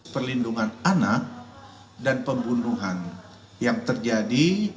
perlindungan anak dan pembunuhan yang terjadi